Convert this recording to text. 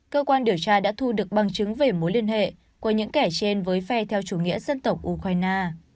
cơ quan điều tra đã thu được bằng chứng về mối liên hệ của những kẻ trên với phe theo chủ nghĩa dân tộc ukraine